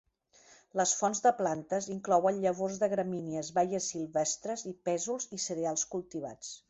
Les fonts de plantes inclouen llavors de gramínies, baies silvestres, pèsols i cereals cultivats.